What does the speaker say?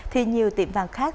thì nhiều tiệm vàng khác